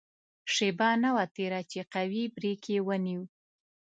شېبه نه وه تېره چې قوي بریک یې ونیو.